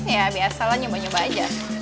ya biasalah nyoba nyoba aja